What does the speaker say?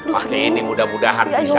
pakai ini mudah mudahan bisa